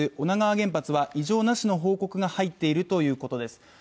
女川原発は異常なしの報告が入っているということです。